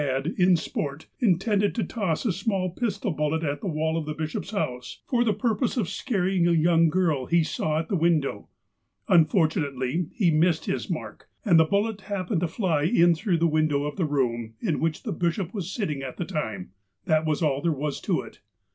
had, in sport, intended to toss a small pistol bullet at the wall of the bishop's house, for the purpose of scaring a 278 THE APOSTLE OF ALASKA youDg girl he saw at a window. Unfortunately, be missed his mark, and the bullet happened to fly in through the .window of the room in which the bishop was sitting at the time. That was all there was to it !